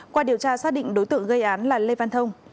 qua điều tra xác định đối tượng gây án là lê văn thông